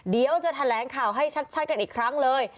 เดี๋ยวจะแถลงข่าวให้ชัดกันอีกครั้งเลย